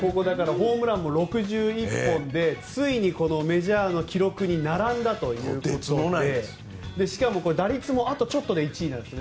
ホームランも６１本で、ついにメジャーの記録に並んだということでしかも打率もあとちょっとで１位なんです。